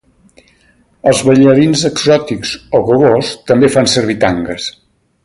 Els ballarins exòtics o gogós també fan servir tangues.